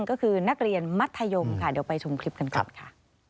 ก็คือนักเรียนมัธยมค่ะเดี๋ยวไปชมคลิปกันก่อนค่ะ